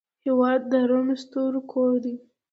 هېواد د رڼو ستورو کور دی.